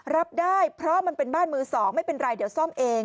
รับได้เพราะมันเป็นบ้านมือสองไม่เป็นไรเดี๋ยวซ่อมเอง